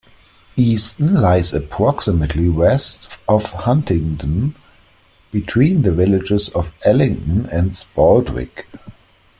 Easton lies approximately west of Huntingdon, between the villages of Ellington and Spaldwick.